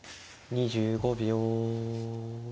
２５秒。